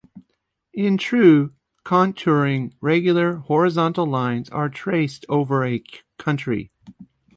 In true contouring regular horizontal lines are traced over a country.